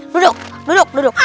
duduk duduk duduk